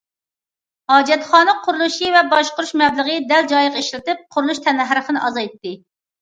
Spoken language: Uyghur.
ھاجەتخانا قۇرۇلۇشى ۋە باشقۇرۇش مەبلىغىنى دەل جايىغا ئىشلىتىپ، قۇرۇلۇش تەننەرخىنى ئازايتتى.